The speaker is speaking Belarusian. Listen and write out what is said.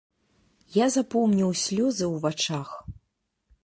Я запомніў слёзы ў вачах.